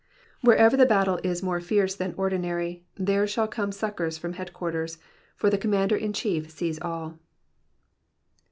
Wherever the battle is more fierce than ordinary, there shall come succours from headquarters, for the Commander in chief sees all.